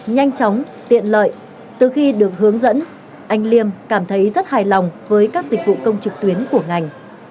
nhanh chóng tiện lợi từ khi được hướng dẫn anh liêm cảm thấy rất hài lòng với các dịch vụ công trực tuyến của ngành